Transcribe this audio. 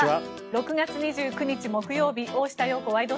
６月２９日、木曜日「大下容子ワイド！